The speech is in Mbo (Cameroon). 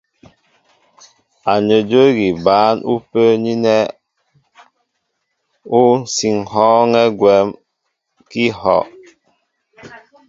Anədwə́ di bǎn ú pə́ə́ní ánɛ́ ú sí ŋ̀hɔ́ɔ́nkɛ́ gwɛ́m kɛ́ íhɔ́'.